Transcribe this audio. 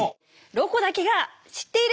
「ロコだけが知っている」。